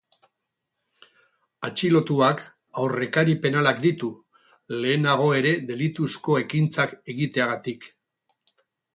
Atxilotuak aurrekari penalak ditu, lehenago ere delituzko ekintzak egiteagatik.